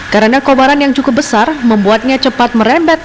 karena kobaran yang cukup besar membuatnya cepat merembet